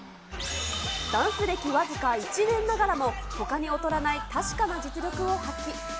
ダンス歴僅か１年ながらも、ほかに劣らない確かな実力を発揮。